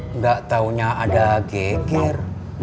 enggak taunya ada geger